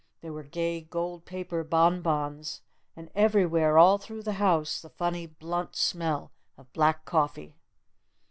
There were gay gold paper bonbons. And everywhere all through the house the funny blunt smell of black coffee.